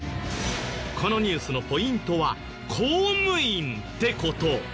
このニュースのポイントは公務員って事。